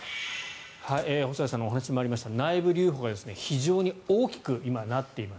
細谷さんのお話にもありました内部留保が非常に今大きくなっています。